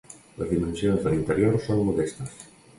Les dimensions de l'interior són modestes.